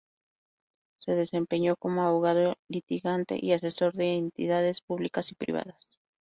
Se desempeñó como abogado litigante y asesor de entidades públicas y privadas.